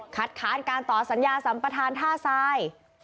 ค้านการต่อสัญญาสัมปทานท่าทราย